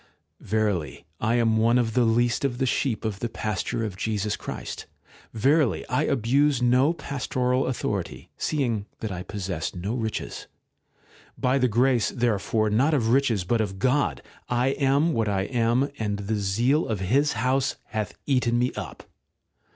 *>^erily I am one of the least of the sheep of the pasture of Jesus Christ ; verily I abuse no pastoral authority, seeing that I possess no riches. By the grace, therefore, not of riches, but of God, I am what I am, and the zeal of His house hath eaten me up.